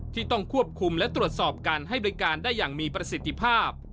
ที่ต้องควบคุมและตรวจสอบการให้บริการได้อย่างมีประสิทธิภาพ